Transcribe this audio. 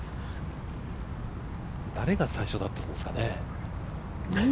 誰が最初だったんですかね。